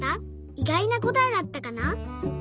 いがいなこたえだったかな？